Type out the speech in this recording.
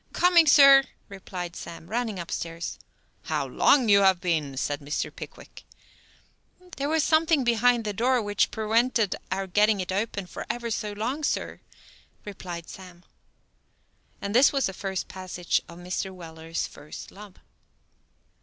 "Coming, sir!" replied Sam, running up stairs. "How long you have been!" said Mr. Pickwick. "There was something behind the door which perwented our getting it open for ever so long, sir," replied Sam. And this was the first passage of Mr. Weller's first love.